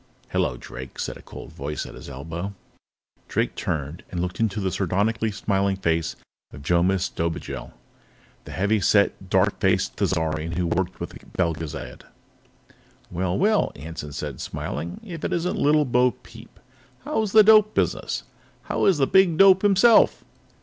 "Hello, Drake," said a cold voice at his elbow. Drake turned and looked up into the sardonically smiling face of Jomis Dobigel, the heavy set, dark faced Thizarian who worked with Belgezad. "Well, well," Anson said, smiling, "if it isn't Little Bo Peep. How is the dope business? And how is the Big Dope Himself?"